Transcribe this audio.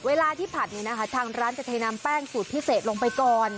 เวลาที่ผัดเนี่ยนะคะทางร้านจะเทนำแป้งสูตรพิเศษลงไปก่อน